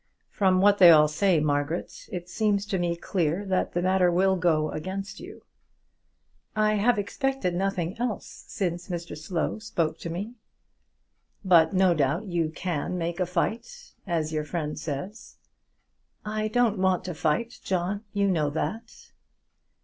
From what they all say, Margaret, it seems to me clear that the matter will go against you." "I have expected nothing else since Mr Slow spoke to me." "But no doubt you can make a fight, as your friend says." "I don't want to fight, John; you know that."